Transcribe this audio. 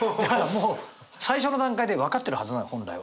もう最初の段階で分かってるはずなの本来は。